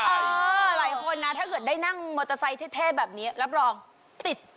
เออหลายคนนะถ้าเกิดได้นั่งมอเตอร์ไซค์เท่แบบนี้รับรองติด